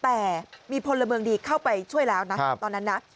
แต่มีพลเมืองดีเข้าไปช่วยแล้วนะตอนนั้นนะ